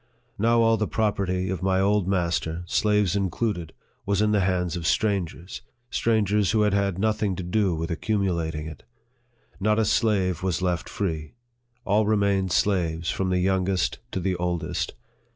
Now all the property of my old master, slaves included, was in the hands of strangers, strangers who had had nothing to do with accumu lating it. Not a slave was left free. All remained slaves, from the youngest to the oldest.